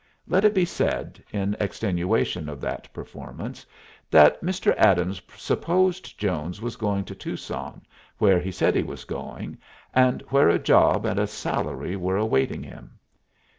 Let it be said, in extenuation of that performance, that Mr. Adams supposed Jones was going to Tucson, where he said he was going, and where a job and a salary were awaiting him.